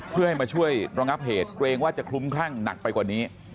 เพื่อให้มาช่วยระงับเหตุเกรงว่าจะคลุ้มคลั่งหนักไปกว่านี้